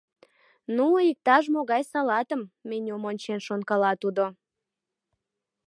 Ну, иктаж-могай салатым, — менюм ончен шонкала тудо.